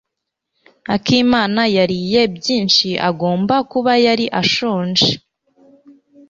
Akimana yariye byinshi. Agomba kuba yari ashonje.